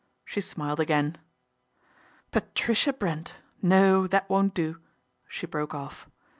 She smiled again. " Patricia Brent ! No, that won't do," she broke off.